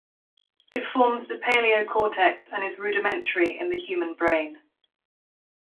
It forms the paleocortex and is rudimentary in the human brain.